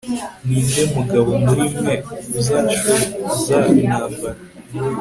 ni nde mugabo muri mwe uzashoza intambara